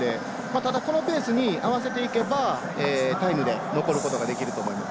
ただ、このペースに合わせていけばタイムで残ることができると思います。